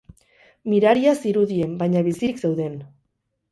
Miraria zirudien, baina bizirik zeuden.